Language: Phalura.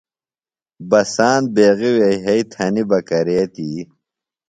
بساند بیغیۡ وے یھئی تھنیۡ بہ کرے تی؟